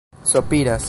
sopiras